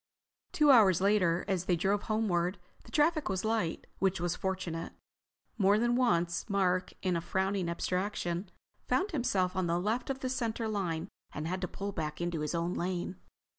Two hours later, as they drove homeward, the traffic was light, which was fortunate. More than once Mark, in a frowning abstraction, found himself on the left of the center line and had to pull back into his own lane.